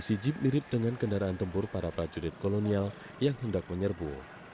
masih jeep mirip dengan kendaraan tempur para prajurit kolonial yang hendak menyerbu